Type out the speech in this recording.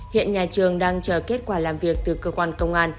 hiện nhà trường đang chờ kết quả làm việc từ cơ quan công an